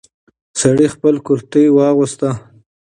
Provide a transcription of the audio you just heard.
سړی خپل کورتۍ واغوست.